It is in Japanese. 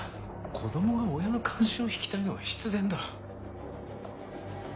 子供が親の関心を引きたいのは必然だ。